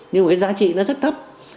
nhưng mà cái giá trị nó rất thấp